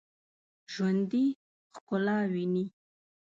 ژوندي ښکلا ویني